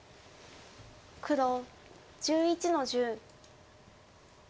黒１１の十。